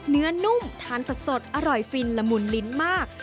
นุ่มทานสดอร่อยฟินละมุนลิ้นมาก